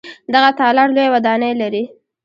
دغه تالار لویه ودانۍ لري.